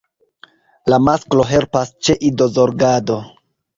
La masklo helpas ĉe idozorgado.